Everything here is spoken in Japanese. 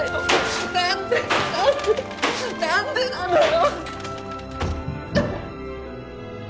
何でなのよ！